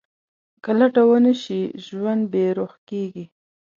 که لټه ونه شي، ژوند بېروح کېږي.